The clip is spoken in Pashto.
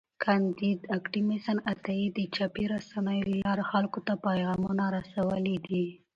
کانديد اکاډميسن عطایي د چاپي رسنیو له لارې خلکو ته پیغامونه رسولي دي.